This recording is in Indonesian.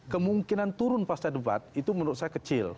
kemungkinan turun pasca debat itu menurut saya kecil